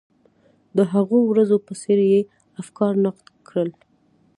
د هغو ورځو په څېر یې افکار نقد کړل.